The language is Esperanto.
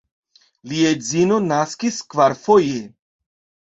Lia edzino naskis kvarfoje.